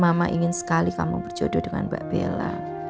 mama ingin sekali kamu berjodoh dengan mbak bella